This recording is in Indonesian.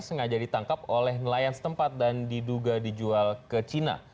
sengaja ditangkap oleh nelayan setempat dan diduga dijual ke cina